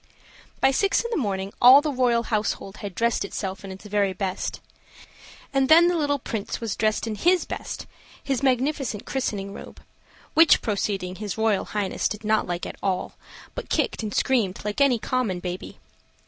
By six in the morning all the royal household had dressed itself in its very best; and then the little Prince was dressed in his best his magnificent christening robe; which proceeding his Royal Highness did not like at all, but kicked and screamed like any common baby.